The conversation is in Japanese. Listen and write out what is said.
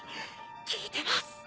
聞いてます！